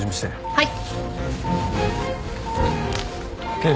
はい。